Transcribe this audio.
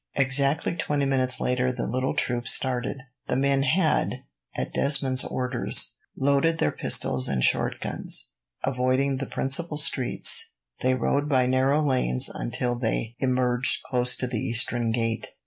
Exactly twenty minutes later the little troop started. The men had, at Desmond's orders, loaded their pistols and short guns. Avoiding the principal streets, they rode by narrow lanes until they emerged close to the eastern gate.